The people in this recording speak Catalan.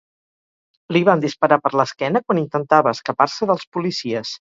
Li van disparar per l’esquena quan intentava escapar-se dels policies.